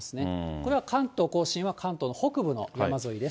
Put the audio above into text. これは関東甲信は、関東の北部の山沿いです。